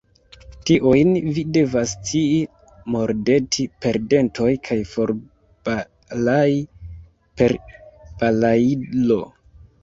Tiujn vi devas scii mordeti per dentoj kaj forbalai per balailo!